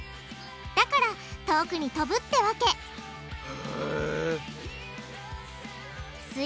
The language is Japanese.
だから遠くに飛ぶってわけす